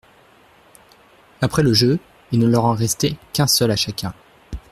Après le jeu, il ne leur en restait qu’un seul à chacun.